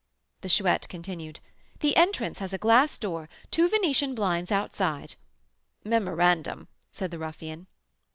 The Chouette continued: "The entrance has a glass door, two Venetian blinds outside " "Memorandum," said the ruffian.